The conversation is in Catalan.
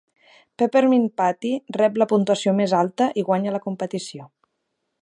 Peppermint Patty rep la puntuació més alta i guanya la competició.